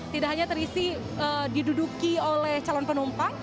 tidak hanya terisi diduduki oleh calon penumpang